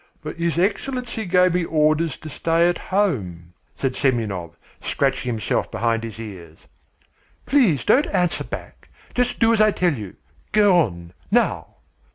"But his Excellency gave me orders to stay at home," said Semyonov, scratching himself behind his ears. "Please don't answer back. Just do as I tell you. Go on, now."